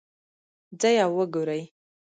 ځئ او وګورئ